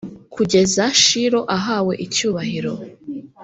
Kugeza shilo ahawe icyubahiro